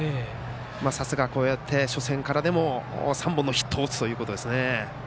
さすが、こうして初戦からでも３本のヒットを打つということですね。